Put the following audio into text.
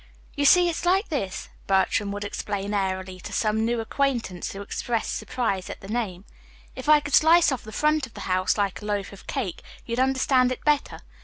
"You see, it's like this," Bertram would explain airily to some new acquaintance who expressed surprise at the name; "if I could slice off the front of the house like a loaf of cake, you'd understand it better.